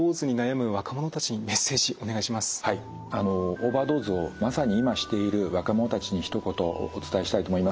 オーバードーズをまさに今している若者たちにひと言お伝えしたいと思います。